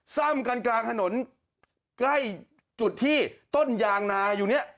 ซ่อมกันกลางถนนใกล้จุดที่ต้นยางนาอยู่เนี่ย